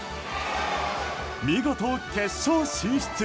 見事、決勝進出。